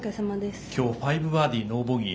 今日５バーディー、ノーボギー。